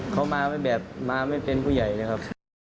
เขามาไม่เป็นผู้ใหญ่เลยครับ